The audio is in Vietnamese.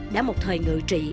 đã một thời ngự trị